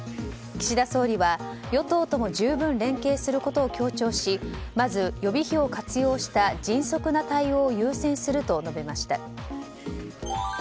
岸田総理は与党とも十分連携することを強調しまず予備費を活用した迅速な対応を優先すると述べました。